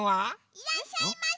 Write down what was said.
いらっしゃいませ！